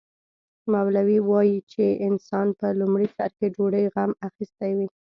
مولوي وايي چې انسان په لومړي سر کې ډوډۍ غم اخیستی وي.